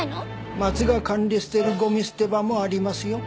町が管理してるゴミ捨て場もありますよ。